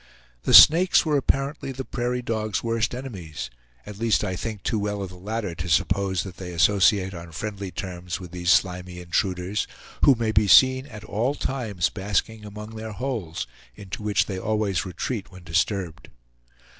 The snakes were apparently the prairie dog's worst enemies, at least I think too well of the latter to suppose that they associate on friendly terms with these slimy intruders, who may be seen at all times basking among their holes, into which they always retreat when disturbed.